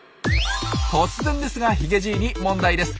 突然ですがヒゲじいに問題です。